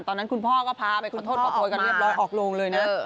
ตอนนั้นคุณพ่อก็พาไปขอโทษกับโทยกันเรียบร้อยออกลงเลยนะ